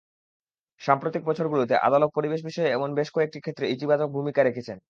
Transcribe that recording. সাম্প্রতিক বছরগুলোতে আদালত পরিবেশ বিষয়ে এমন বেশ কয়েকটি ক্ষেত্রে ইতিবাচক ভূমিকা রেখেছেন।